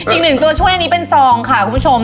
อีกหนึ่งตัวช่วยอันนี้เป็นซองค่ะคุณผู้ชม